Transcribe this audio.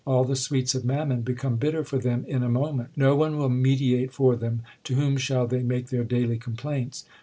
All the sweets of mammon become bitter for them in a moment. No one will mediate for them ; to whom shall they make their daily complaints